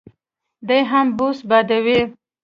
دی هم بوس بادوي.